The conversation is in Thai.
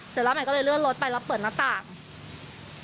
เสร็จแล้วใหม่ก็เลยเลื่อนรถไปแล้วเปิดหน้าต่าง